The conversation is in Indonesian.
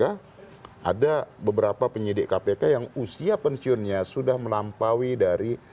ada beberapa penyidik kpk yang usia pensiunnya sudah melampaui dari